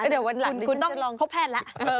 เดี๋ยววันหลังดิฉันต้องพบแพทย์แล้ว